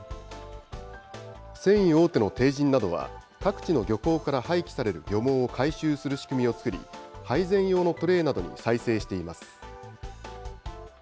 繊維大手の帝人などは、各地の漁港から廃棄される漁網を回収する仕組みを作り、配膳用のトレーなどに再生しています。